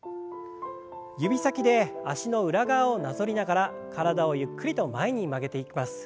指先で脚の裏側をなぞりながら体をゆっくりと前に曲げていきます。